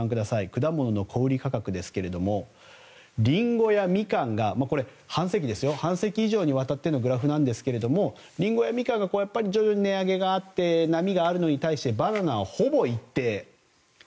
果物の小売価格ですけれども半世紀以上にわたってのグラフなんですけれどもリンゴやミカンが徐々に値上げがあって波があるのに対してバナナは、ほぼ一定。